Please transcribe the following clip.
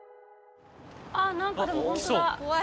ああなんかでもホントだ。